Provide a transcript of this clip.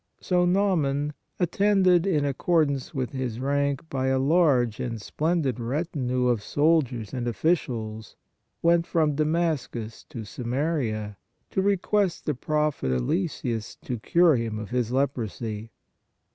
So Naaman, at tended, in accordance with his rank, by a large and splendid retinue of soldiers and officials, went from Damascus to Samaria to request the prophet Eliseus to cure him of his leprosy.